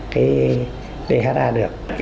cái dha được